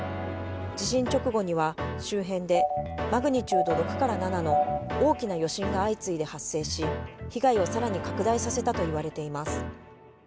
地震直後には周辺でマグニチュード６から７の大きな余震が相次いで発生し、被害をさらに拡大させたといわれています。